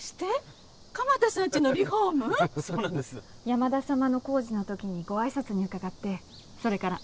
山田様の工事のときにご挨拶に伺ってそれから。